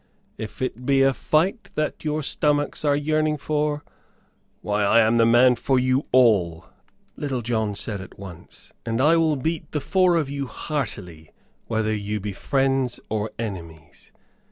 "If it be a fight that your stomachs are yearning for why, I am the man for you all," Little John said at once, "and I will beat the four of you heartily, whether you be friends or enemies."